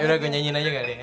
yaudah gue nyanyiin aja kali ya